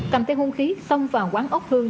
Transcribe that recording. cầm tay hung khí xông vào quán ốc hương